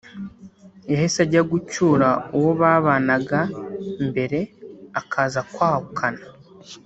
yahise ajya gucyura uwo babanaga mbere akaza kwahukana